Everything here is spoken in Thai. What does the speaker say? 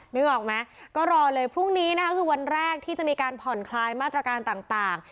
นึกออกไหมก็รอเลยพรุ่งนี้นะคะคือวันแรกที่จะมีการผ่อนคลายมาตรการต่าง